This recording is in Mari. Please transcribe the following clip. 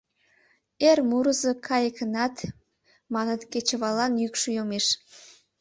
Эр мурызо кайыкынат, маныт, кечываллан йӱкшӧ йомеш.